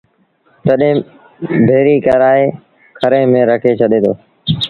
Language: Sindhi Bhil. تڏهيݩ ڀيڙي ڪرآئي کري ميݩ رکي ڇڏي دو